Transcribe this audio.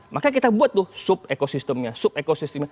maka kita buat tuh sub ekosistemnya sub ekosistemnya